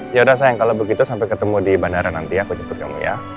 ya udah sayang kalau begitu sampai ketemu di bandara nanti aku jemput kamu ya